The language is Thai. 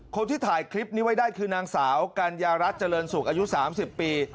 คนที่ถ่ายคลิปนี้ไว้ได้คือนางสาวกัญญารัฐเจริญสุขอายุ๓๐ปี